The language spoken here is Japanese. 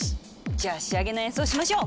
じゃあ仕上げの演奏しましょう！